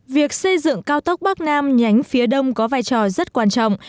việc xây dựng cao tốc bắc nam nhánh phía đông có vai trò rất quan trọng